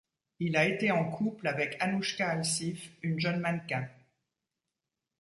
Il a été en couple avec Anouchka Alsif, une jeune mannequin.